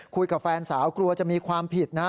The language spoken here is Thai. คุยกับแฟนสาวกลัวจะมีความผิดนะ